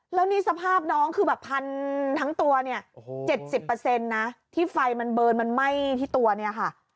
แล้วนี่สภาพน้องคือแบบพันทั้งตัวเนี่ย๗๐นะที่ไฟมันเบิร์นมันไหม้ที่ตัวเนี่ยค่ะ